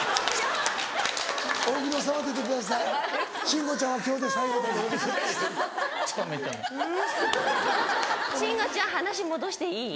慎吾ちゃん話戻していい？